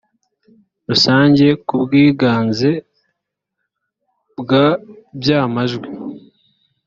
rusange ku bwiganze bwa by amajwi